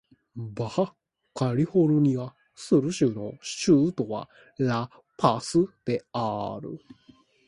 バハ・カリフォルニア・スル州の州都はラ・パスである